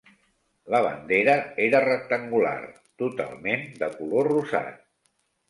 La bandera era rectangular totalment de color rosat.